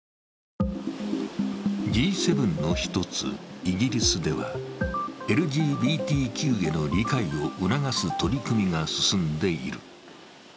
Ｇ７の１つ、イギリスではＬＧＢＴＱへの理解を促す取り組みが進んでいる。